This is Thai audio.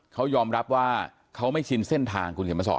เขายอมรับว่าเขาไม่ชินเส้นทางคุณเขียนมาสอน